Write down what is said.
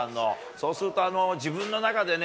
そうすると、自分の中でね、